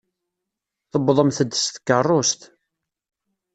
Tewwḍemt-d s tkeṛṛust.